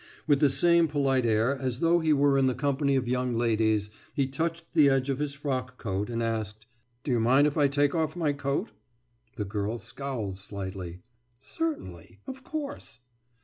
With the same polite air, as though he were in the company of young ladies, he touched the edge of his frock coat and asked: »Do you mind if I take off my coat?« The girl scowled slightly. »Certainly. Of course....